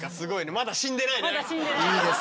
まだ死んでないです。